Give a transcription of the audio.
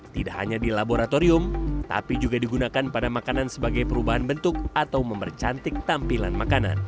tidak hanya di laboratorium tapi juga digunakan pada makanan sebagai perubahan bentuk atau mempercantik tampilan makanan